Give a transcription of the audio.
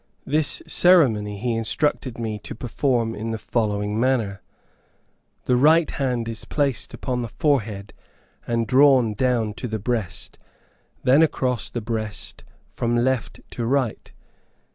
This ceremony he instructed me to perform in the following manner: the right hand is placed upon the forehead, and drawn down to the breast; then across the breast from left to right.